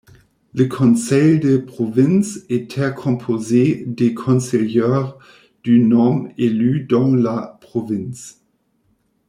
Le Conseil de Province était composé des conseillers du nome élus dans la province.